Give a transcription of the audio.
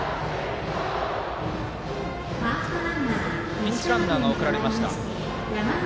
ピンチランナーが送られました。